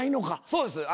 そうです。